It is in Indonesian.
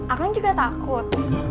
akan juga takut